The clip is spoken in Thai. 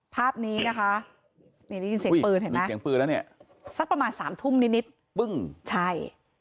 ภาพนี้นะคะนี่ได้ยินเสียงปืนเห็นไหมสักประมาณสามทุ่มนิดใช่